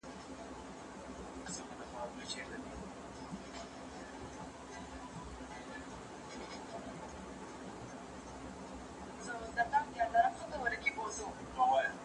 تعلیم یافته میندې د ماشومانو د خوړو ساده ترکیبونه کاروي.